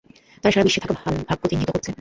তারা সারা বিশ্বে থাকা ভাগ্য চিহ্নিত করছে।